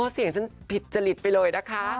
เสียงฉันผิดจริตไปเลยนะคะ